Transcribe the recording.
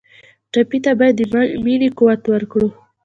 ټپي ته باید د مینې قوت ورکړو.